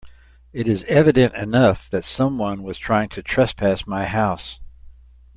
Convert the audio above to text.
It is evident enough that someone was trying to trespass my house.